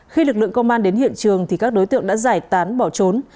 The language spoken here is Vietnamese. khi lực lượng công an đến hiện trường thì các đối tượng đã giải tán bỏ trốn